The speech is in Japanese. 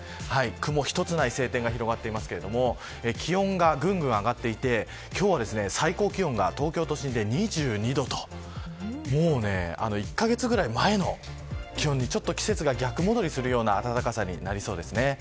雲一つない晴天が広がっていますが気温がぐんぐん上がっていて今日は最高気温が東京都心で２２度ともうね、１カ月ぐらい前の気温に季節が逆戻りするような暖かさになりそうですね。